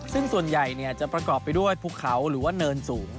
ซึ่งส่วนใหญ่จะประกอบไปด้วยภูเขาหรือว่าเนินสูง